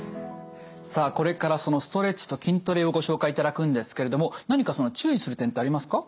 さあこれからそのストレッチと筋トレをご紹介いただくんですけれども何かその注意する点ってありますか？